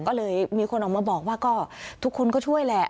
ก็เลยมีคนออกมาบอกว่าก็ทุกคนก็ช่วยแหละ